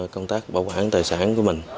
công tác bảo quản tài sản của mình